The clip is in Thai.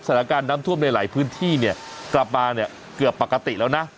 สถานการณ์น้ำท่วมในหลายพื้นที่เนี่ยกลับมาเนี่ยเกือบปกติแล้วนะ